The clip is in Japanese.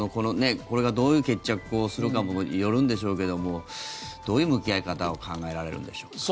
これがどういう決着をするかにもよるんでしょうけどどういう向き合い方が考えられるんでしょう。